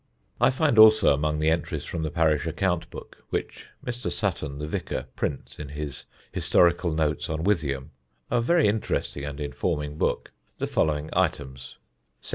I find also among the entries from the parish account book, which Mr. Sutton, the vicar, prints in his Historical Notes on Withyham, a very interesting and informing book, the following items: 1711.